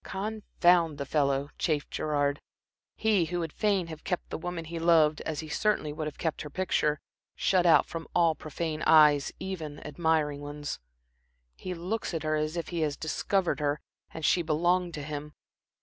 "Confound the fellow," chafed Gerard he who would fain have kept the woman he loved, as he certainly would have kept her picture, shut out from all profane eyes, even admiring ones. "He looks at her as if he had discovered her and she belonged to him.